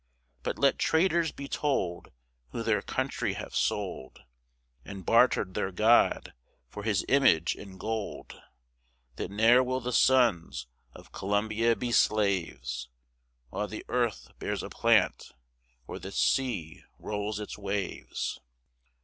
But let traitors be told, Who their country have sold, And barter'd their God for his image in gold, That ne'er will the sons of Columbia be slaves, While the earth bears a plant, or the sea rolls its waves.